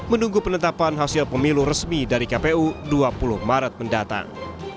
menunggu penetapan hasil pemilu resmi dari kpu dua puluh maret mendatang